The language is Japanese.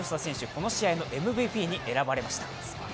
この試合のＭＶＰに選ばれました。